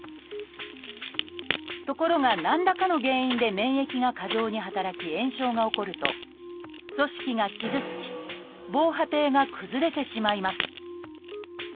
ところが何らかの原因で免疫が過剰に働き炎症が起こると組織が傷つき防波堤が崩れてしまいます。